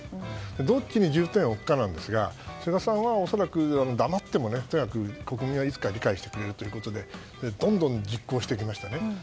どっちに重点を置くかなんですが菅さんは恐らく黙ってもとにかく国民はいつか理解してくれるということでどんどん実行してきましたね。